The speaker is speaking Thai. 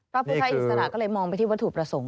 พระพุทธอิสระก็เลยมองไปที่วัตถุประสงค์